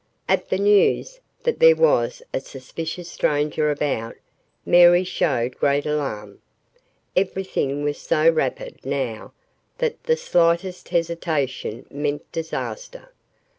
At the news that there was a suspicious stranger about, Mary showed great alarm. Everything was so rapid, now, that the slightest hesitation meant disaster.